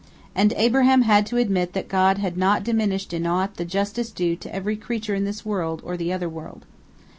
And Abraham had to admit that God had not diminished in aught the justice due to every creature in this world or the other world.